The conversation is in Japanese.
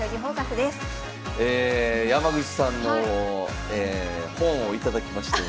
え山口さんの本を頂きまして。